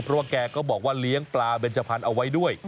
เพราะว่าแกก็บอกว่าเลี้ยงปลาเบนจพันธุ์เอาไว้ด้วย